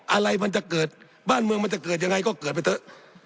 อะไรมันจะเกิดบ้านเมืองมันจะเกิดยังไงก็เกิดไปเถอะ